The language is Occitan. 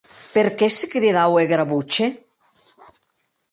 Per qué se cridaue Gravroche?